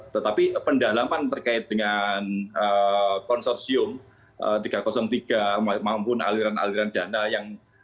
tetapi pendalaman terkait dengan konsorsium tiga ratus tiga maupun aliran aliran dana yang